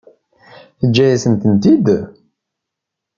Teǧǧa-yas-tent-id?